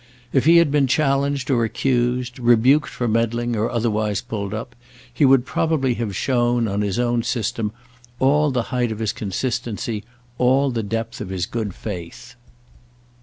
If he had been challenged or accused, rebuked for meddling or otherwise pulled up, he would probably have shown, on his own system, all the height of his consistency, all the depth of his good faith.